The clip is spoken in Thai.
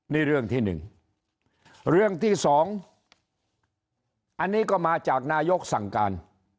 นี่เรื่องที่หนึ่งเรื่องที่สองอันนี้ก็มาจากนายกสั่งการ